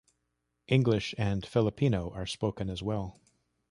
English and Filipino are spoken as well.